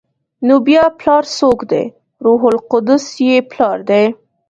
نو بیا پلار څوک دی؟ روح القدس یې پلار دی؟